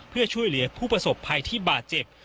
เพื่อช่วยเหลือผู้ประสบภัยที่บาดเจ็บ